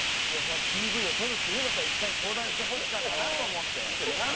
いやそのＰＶを撮るっていうんだったら一回相談してほしかったなと思って。